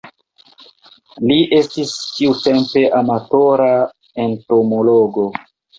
Li estis tiutempe amatora entomologo.